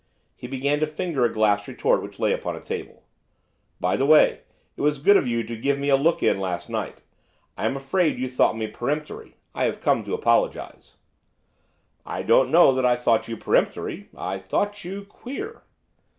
He began to finger a glass retort which lay upon a table. 'By the way, it was very good of you to give me a look in last night. I am afraid you thought me peremptory, I have come to apologise.' 'I don't know that I thought you peremptory; I thought you queer.